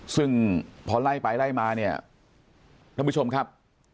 ซึ่งพอไล่ไปไล่มาเนี่ยท่านผู้ชมครับ